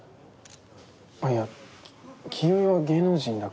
あっいや清居は芸能人だから。